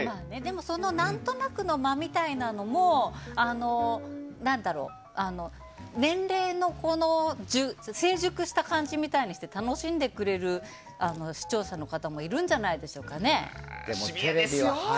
その何となくの間みたいなのも年齢の成熟した感じみたいに楽しんでくれる視聴者の方もいるじゃないでしょうかね。